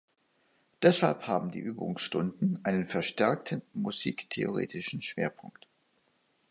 Deshalb haben die Übungsstunden einen verstärkten musiktheoretischen Schwerpunkt.